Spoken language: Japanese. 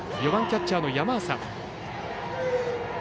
４番、キャッチャーの山浅。